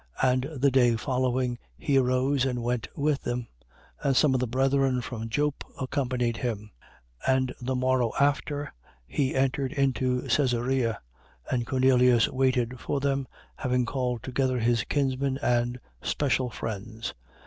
And the day following, he arose and went with them: and some of the brethren from Joppe accompanied him. 10:24. And the morrow after, he entered into Caesarea. And Cornelius waited for them, having called together his kinsmen and special friends.